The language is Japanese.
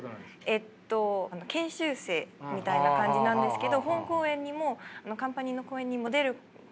えっと研修生みたいな感じなんですけど本公演にもカンパニーの公演にも出ることもありますし。